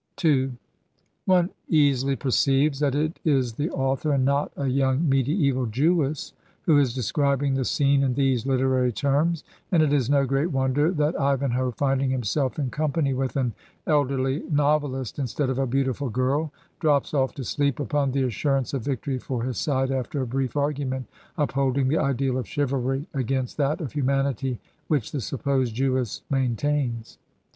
f' One easily perceives that it is the author, and not a young mediflBval Jewess who is describing the scene in these hterary terms; and it is no great wonder that Ivanhoe, finding himself in company with an elderly novehst instead of a beautiful girl, drops oflf to sleep upon the assurance of victory for his side, after a brief argument upholding the ideal of chivalry against that of humanity, which the supposed Jewess maintains.